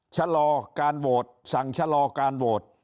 ชะลอการโหวตสั่งชะลอการโหวต